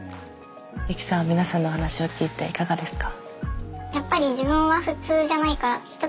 ユキさん皆さんの話を聞いていかがですか？